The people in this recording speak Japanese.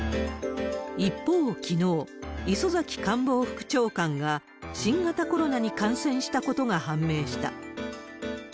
一方、きのう、磯崎官房副長官が新型コロナに感染したことが判明した。